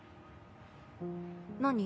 何？